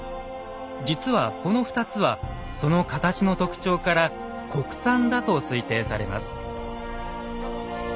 実はこの２つはその形の特徴から国産だと推定されます。